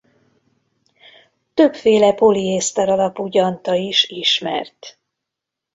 Többféle poliészter alapú gyanta is ismert.